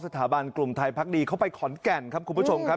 กลุ่มไทยพักดีเขาไปขอนแก่นครับคุณผู้ชมครับ